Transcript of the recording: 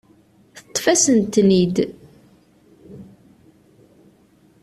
Teṭṭef-asen-ten-id.